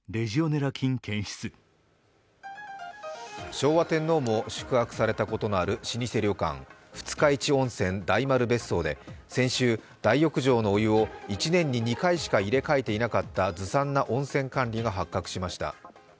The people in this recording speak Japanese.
昭和天皇も宿泊されたことのある老舗旅館、二日市温泉・大丸別荘で大浴場のお湯を１年に２回しか入れ替えていなかったずさんな温泉管理が発覚しました。